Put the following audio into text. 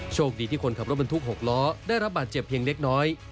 โชคดีที่คนขับรถบรรทุก๖ล้อได้รับบาดเจ็บเพียงเล็กน้อย